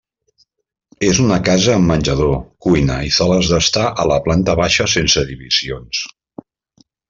És una casa amb menjador, cuina i sales d'estar a la planta baixa sense divisions.